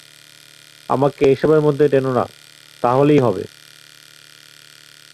আমাকে এসবের মধ্যে টেনো না, তাহলেই হবে।